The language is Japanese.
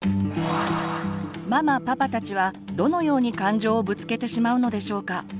ママ・パパたちはどのように感情をぶつけてしまうのでしょうか？